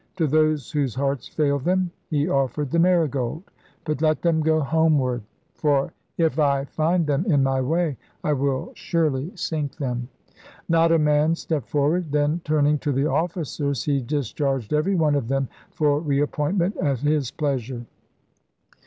To those whose hearts failed them he offered the Marigold. * But let them go homeward ;* ENCOMPASSMENT OF ALL THE WORLDE ' 127 for if I find them in my way, I will surely sink them.' Not a man stepped forward. Then, turning to the officers, he discharged every one of them for re appointment at his pleasure.